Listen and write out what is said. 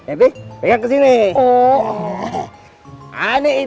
ini pegang kesini